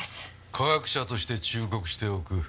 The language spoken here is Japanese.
科学者として忠告しておく。